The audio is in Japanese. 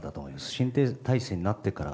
新体制になってから。